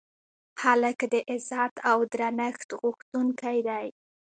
هلک د عزت او درنښت غوښتونکی دی.